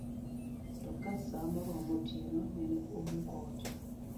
To ka saa noromo, otieno nene omuko ot